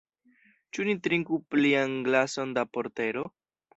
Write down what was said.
Ĉu ni trinku plian glason da portero?